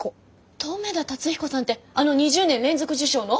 留田辰彦さんってあの２０年連続受賞の？